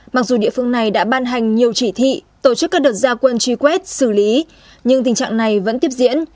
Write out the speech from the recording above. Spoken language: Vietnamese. mặc dù địa phương này đã ban hành nhiều chỉ thị tổ chức các đợt gia quân truy quét xử lý nhưng tình trạng này vẫn tiếp diễn